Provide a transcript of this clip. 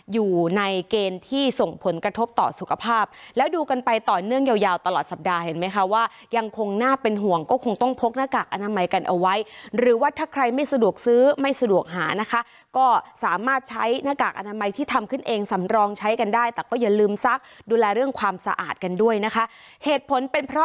อยู่ในเกณฑ์ที่ส่งผลกระทบต่อสุขภาพแล้วดูกันไปต่อเนื่องยาวยาวตลอดสัปดาห์เห็นไหมคะว่ายังคงน่าเป็นห่วงก็คงต้องพกหน้ากากอนามัยกันเอาไว้หรือว่าถ้าใครไม่สะดวกซื้อไม่สะดวกหานะคะก็สามารถใช้หน้ากากอนามัยที่ทำขึ้นเองสำรองใช้กันได้แต่ก็อย่าลืมซักดูแลเรื่องความสะอาดกันด้วยนะคะเหตุผลเป็นเพราะ